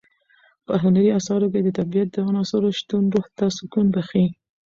په هنري اثارو کې د طبیعت د عناصرو شتون روح ته سکون بښي.